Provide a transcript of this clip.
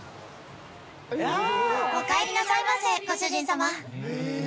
おかえりなさいませご主人様。